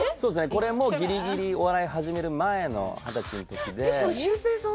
これもギリギリお笑い始める前の二十歳の時でこれシュウペイさん？